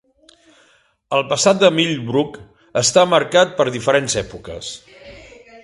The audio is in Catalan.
El passat de Millbrook està marcat per diferents èpoques.